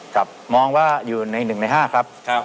ครับมองว่าอยู่ในหนึ่งในห้าครับครับ